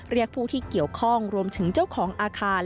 เรียกผู้ที่เกี่ยวข้องรวมถึงเจ้าของอาคาร